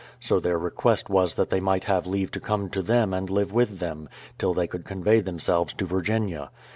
So their request was that they might have leave to come to them and live with them, till they could convey them selves to Virginia.